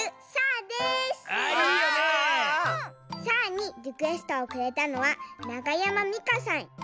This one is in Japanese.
「さあ！」にリクエストをくれたのはながやまみかさん。